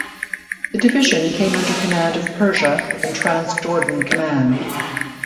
The division came under command of Persia and Transjordan Command.